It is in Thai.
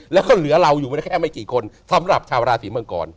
แล้วก็เหลือเราอยู่ไม่ได้แค่ไม่กี่คนสำหรับชาวราศีมังกร